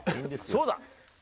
そうだ。